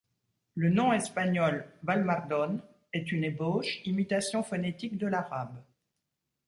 Le nom espagnol Valmardón est une ébauche, imitation phonétique de l'arabe.